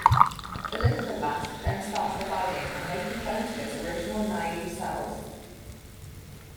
The lymphoblast then starts dividing and making clones of its original naive cells.